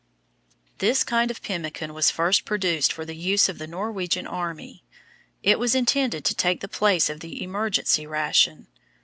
This kind of pemmican was first produced for the use of the Norwegian Army; it was intended to take the place of the "emergency ration."